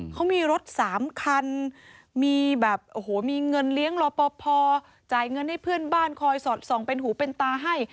เขามีรถ๓คันมีแบบโอ้โหมีเงินเลี้ยงรอปภจ่ายเงินให้เพื่อนบ้านคอยสอดส่องเป็นหูเป็นตาให้